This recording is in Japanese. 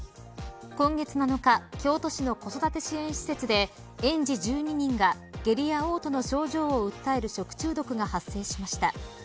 今月７日、京都市の子育て支援施設で園児１２人が下痢やおう吐の症状を訴える食中毒が発生しました。